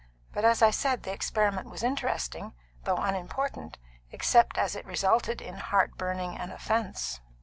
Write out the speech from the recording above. But, as I said, the experiment was interesting, though unimportant, except as it resulted in heart burning and offence."